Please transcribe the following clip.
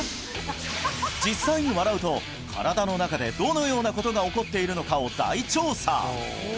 実際に笑うと身体の中でどのようなことが起こっているのかを大調査！